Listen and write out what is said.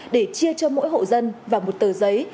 để chia cho mỗi hộ dân và một tờ giấy